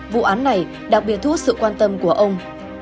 vụ án này đặc biệt thu hút sự quan tâm của ông